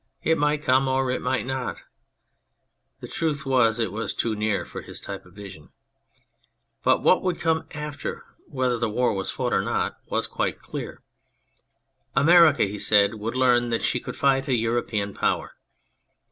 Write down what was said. It might come or it might not [the truth was, it was too near for his type of vision], but what would come after, whether the war was fought or not, was quite clear. " America," he said, " would learn that she could fight a European Power."